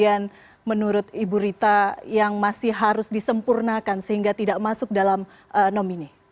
apa yang menurut ibu rita yang masih harus disempurnakan sehingga tidak masuk dalam nomine